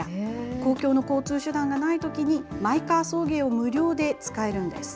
公共の交通手段がないときに、マイカー送迎を無料で使えるんです。